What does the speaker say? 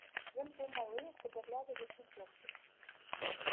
Ён быў малы, хударлявы зусім хлопчык.